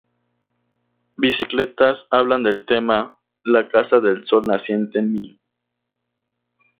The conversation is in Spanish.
Bicicletas hablan del tema La casa del sol naciente Min.